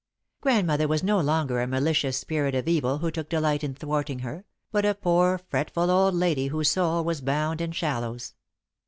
Grandmother was no longer a malicious spirit of evil who took delight in thwarting her, but a poor, fretful old lady whose soul was bound in shallows.